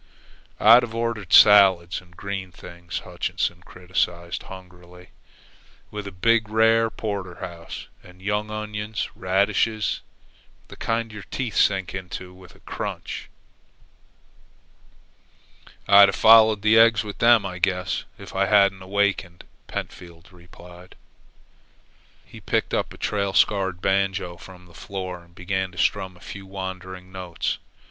"I'd have ordered salads and green things," Hutchinson criticized hungrily, "with a big, rare, Porterhouse, and young onions and radishes, the kind your teeth sink into with a crunch." "I'd have followed the eggs with them, I guess, if I hadn't awakened," Pentfield replied. He picked up a trail scarred banjo from the floor and began to strum a few wandering notes.